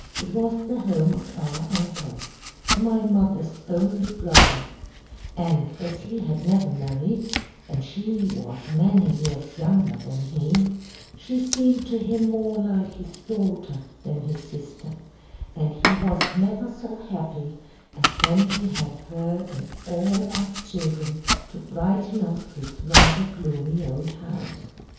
It was the home of our uncle my mother's only brother and as he had never married, and she was many years younger than he, she seemed to him more like his daughter than his sister, and he was never so happy as when he had her and all us children to brighten up his rather gloomy old house.